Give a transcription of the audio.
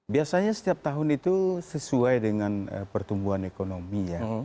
biasanya setiap tahun itu sesuai dengan pertumbuhan ekonomi ya